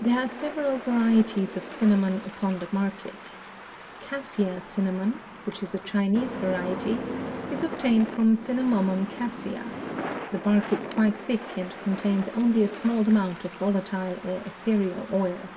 There are several varieties of cinnamon upon the market. Cassia cinnamon, which is a Chinese variety, is obtained from Cinnamomum cassia. The bark is quite thick and contains only a small amount of volatile or ethereal oil.